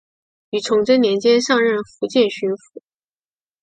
于崇祯年间上任福建巡抚。